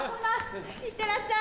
いってらっしゃい。